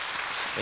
え